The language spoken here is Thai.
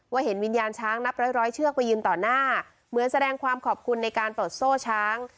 เห็นวิญญาณช้างนับร้อยร้อยเชือกไปยืนต่อหน้าเหมือนแสดงความขอบคุณในการปลดโซ่ช้าง